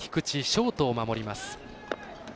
ショートを守ります。